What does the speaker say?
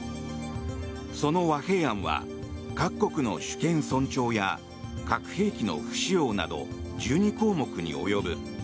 その和平案は、各国の主権尊重や核兵器の不使用など１２項目に及ぶ。